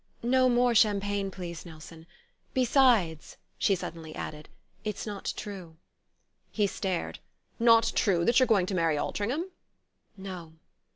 "No more champagne, please, Nelson. Besides," she suddenly added, "it's not true." He stared. "Not true that you're going to marry Altringham?" "No."